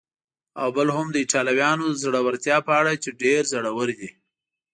او بل هم د ایټالویانو د زړورتیا په اړه چې ډېر زړور دي.